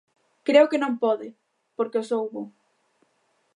Creo que non pode, porque os houbo.